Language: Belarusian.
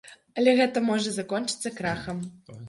Але гэта можа закончыцца крахам.